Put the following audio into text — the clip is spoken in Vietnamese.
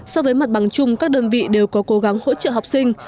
so với mặt bằng chung các đơn vị đều có cố gắng hỗ trợ học sinh